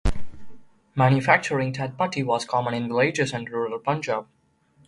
Manufacturing Tat Patti was common in villages and rural Punjab.